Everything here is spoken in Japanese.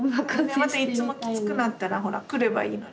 またいつもきつくなったらほら来ればいいのに。